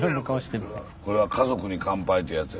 これは「家族に乾杯」ってやつやＮＨＫの。